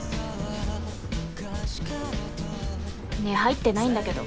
ねえ入ってないんだけど。